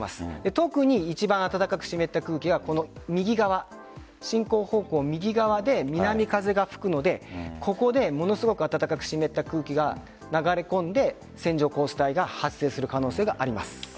特に一番暖かく湿った空気が右側進行方向右側で南風が吹くのでここで、ものすごく暖かく湿った空気が流れ込んで線状降水帯が発生する可能性があります。